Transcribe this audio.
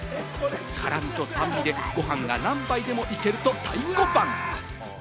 辛みと酸味でご飯が何杯でもいけると太鼓判。